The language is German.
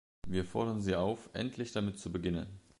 Wir fordern Sie auf, endlich damit zu beginnen.